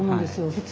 普通